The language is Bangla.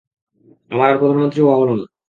আমার আর প্রধানমন্ত্রী হওয়া হলো না।